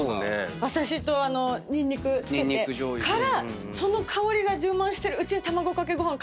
馬刺しとにんにく付けてからその香りが充満してるうちにたまごかけごはん